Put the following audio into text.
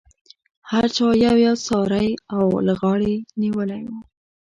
هر چا یو یو څاری له غاړې نیولی و.